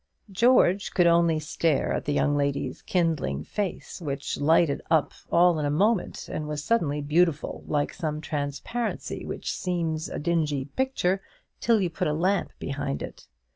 George could only stare at the young lady's kindling face, which lighted up all in a moment, and was suddenly beautiful, like some transparency which seems a dingy picture till you put a lamp behind it.